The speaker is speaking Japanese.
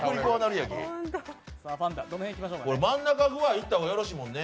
真ん中ぐらいにいった方がよろしいもんね。